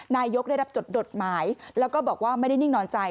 นายกได้รับจดหมายแล้วก็บอกว่าไม่ได้นิ่งนอนใจ